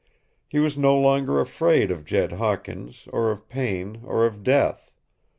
He was no longer afraid of Jed Hawkins, or of pain, or of death.